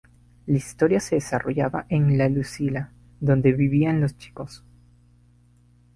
La historia se desarrollaba en La Lucila, donde vivían los chicos.